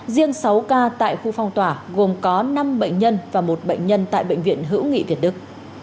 riêng sáu ca tại khu phong tỏa gồm có năm bệnh nhân và một bệnh nhân tại bệnh viện hữu nghị việt đức